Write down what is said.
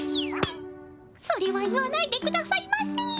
それは言わないでくださいませ。